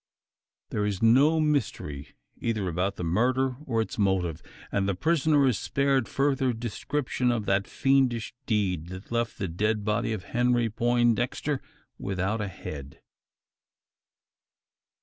There is no more mystery, either about the murder or its motive; and the prisoner is spared further description of that fiendish deed, that left the dead body of Henry Poindexter without a head.